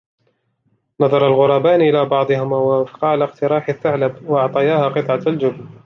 نظر الغرابان إلى بعضهما ووافقا على اقتراح الثعلب وأعطياه قطعة الجبن